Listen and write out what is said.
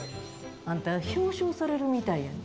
あんた表彰されるみたいやねん。